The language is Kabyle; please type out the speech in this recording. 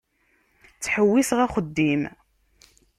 Ttḥewwiseɣ axeddim.